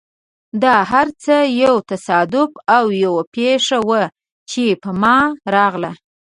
دا هر څه یو تصادف او یوه پېښه وه، چې په ما راغله.